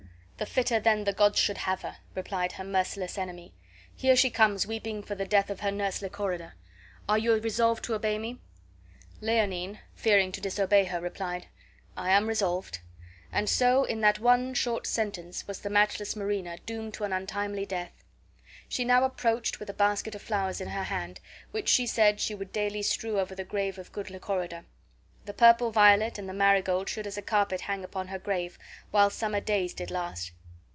"The fitter then the gods should have her," replied her merciless enemy. "Here she comes weeping for the death of her nurse Lychorida. Are you resolved to obey me?" Leonine, fearing to disobey her, replied, "I am resolved." And so, in that one short sentence, was the matchless Marina doomed to an untimely death. She now approached, with a basket of flowers in her hand, which she said she would daily strew over the grave of good Lychorida. The purple violet and the marigold should as a carpet hang upon her grave, while summer days did last.